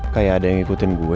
kayak ada yang ngikutin gue